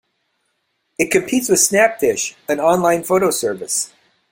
It competes with Snapfish, an online photo service.